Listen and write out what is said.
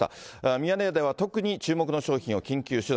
ミヤネ屋では特に注目の商品を緊急取材。